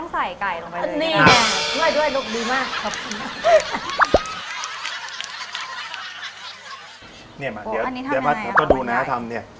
เนี่ยมาเดี๋ยวผมจะดูนะทำเนี่ย